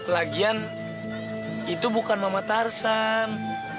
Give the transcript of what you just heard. lagian itu bukan mama tarsam